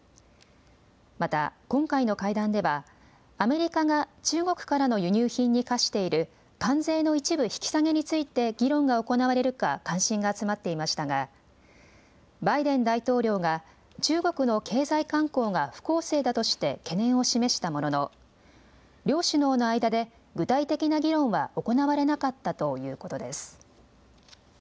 また、今回の会談では、アメリカが中国からの輸入品に課している関税の一部引き下げについて議論が行われるか関心が集まっていましたが、バイデン大統領が中国の経済慣行が不公正だとして懸念を示したものの、両首脳の間で具体的な議論は行われなかったということです。